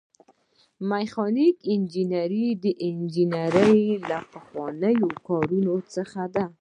میخانیکي انجنیری د انجنیری له پخوانیو کارونو څخه ده.